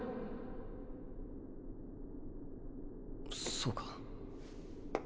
そうか。